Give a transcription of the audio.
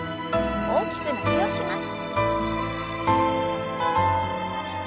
大きく伸びをします。